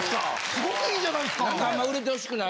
すごくいいじゃないですか。